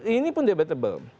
ini pun debatable